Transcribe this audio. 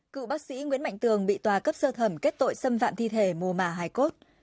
cựu bác sĩ nguyễn mạnh tường bị tòa cấp sơ thẩm kết tội xâm phạm thi thể mùa mà hài cốt